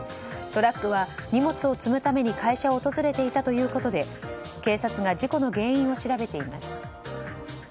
トラックは荷物を積むために会社を訪れていたということで警察が事故の原因を調べています。